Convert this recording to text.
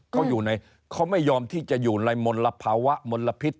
เขาไม่ยอมที่จะอยู่ในมนตรภาวะมนตรภิกษ์